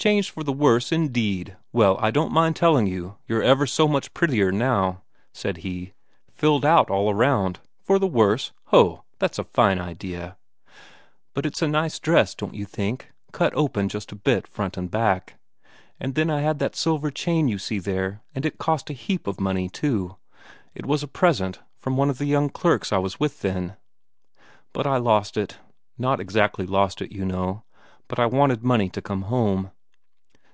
"Changed for the worse, indeed! Well, I don't mind telling you you're ever so much prettier now," said he, "filled out all round. For the worse? Ho! That's a fine idea!" "But it's a nice dress, don't you think? Cut open just a bit front and back. And then I had that silver chain you see there, and it cost a heap of money, too; it was a present from one of the young clerks I was with then. But I lost it. Not exactly lost it, you know, but I wanted money to come home."